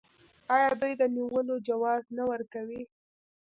آیا دوی د نیولو جواز نه ورکوي؟